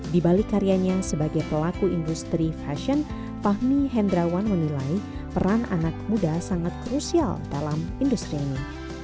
di balik karyanya sebagai pelaku industri fashion fahmi hendrawan menilai peran anak muda sangat krusial dalam industri ini